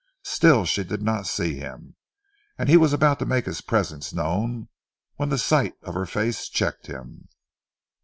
Still she did not see him, and he was about to make his presence known, when the sight of her face checked him.